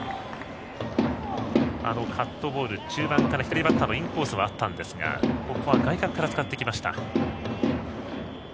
カットボール、中盤から左バッターのインコースへはあったんですがここは外角から使ってきました。